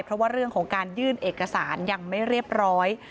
เพราะว่าเรื่องของการยื่นเอกสารยังไม่เรียบร้อย